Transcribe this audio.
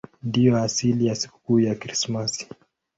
Ndiyo asili ya sikukuu ya Krismasi.